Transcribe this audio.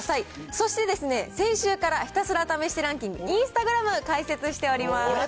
そしてですね、先週から、ひたすら試してランキング、インスタグラム開設しております。